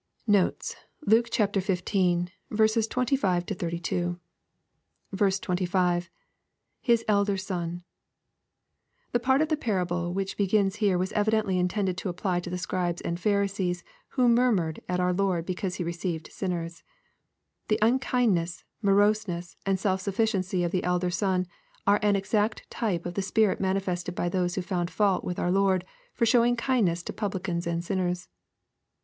Notes. Luke XV. 25—32. 25. — [Bts dder sorL\ The part of the parable which begins here was evidently intended to apply to the Scribes and Pharisees wno "murmured" at our Lord because he "received sinners. The unkindness, moroseness, and self sufficiency of the elder son, are an exact type of the spirit manifested by those who found fault with our Lord for showing kindness to publicans and sinners.